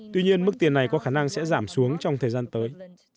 tuy nhiên mức tiền này có khả năng sẽ giảm xuống trong thời gian tới